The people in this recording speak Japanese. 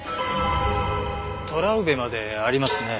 トラウベまでありますね。